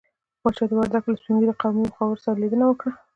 پاچا د وردګو له سپين ږيرو قومي مخورو سره ليدنه وکړه.